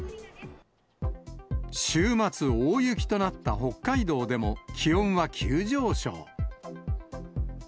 週末、大雪となった北海道でも、気温は急上昇。